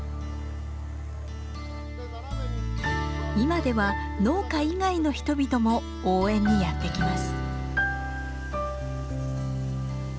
今では農家以外の人々も応援にやって来ます。